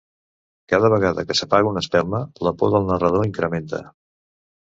Cada vegada que s'apaga una espelma, la por del narrador incrementa.